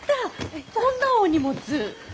こんな大荷物。